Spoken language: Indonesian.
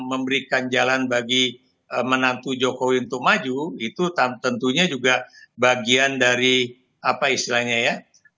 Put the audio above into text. memberikan jalan bagi menantu jokowi untuk maju itu tentunya juga bagian dari apa istilahnya ya